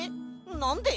なんで？